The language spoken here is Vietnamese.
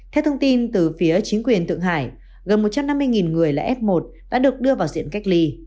theo thông tin từ phía chính quyền thượng hải gần một trăm năm mươi người là f một đã được đưa vào diện cách ly